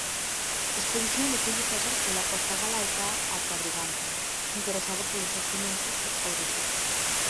Expedición de Xulio César pola costa galaica ata Brigantium, interesado polos xacementos auríferos.